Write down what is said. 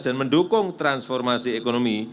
dan mendukung transformasi ekonomi